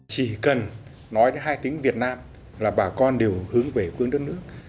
chỉ cần nói hai tiếng việt nam là bà con đều hướng về quân đất nước